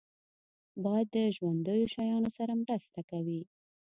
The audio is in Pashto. باد د ژوندیو شیانو سره مرسته کوي